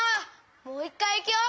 もういっかいいくよ！